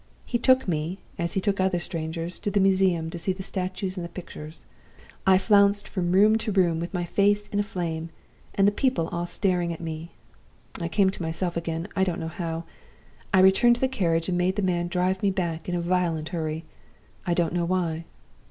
He took me, as he took other strangers, to the Museum to see the statues and the pictures. I flounced from room to room, with my face in a flame, and the people all staring at me. I came to myself again, I don't know how. I returned to the carriage, and made the man drive me back in a violent hurry, I don't know why.